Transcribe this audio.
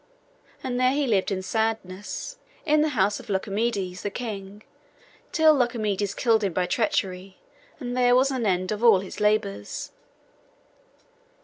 And there he lived in sadness, in the house of Lucomedes the king, till Lucomedes killed him by treachery, and there was an end of all his labours.